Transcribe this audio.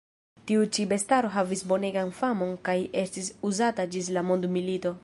Tiu ĉi bestaro havis bonegan famon kaj estis uzata ĝis la mondmilito.